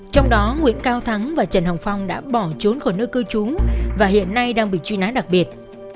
trong đó nguyễn cao thắng và trần hồng phong đã bỏ trốn khỏi nơi cư trú và hiện nay đang bị truy nã đặc biệt